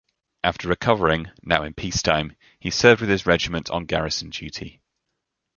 After recovering, now in peace-time, he served with his regiment on garrison duty.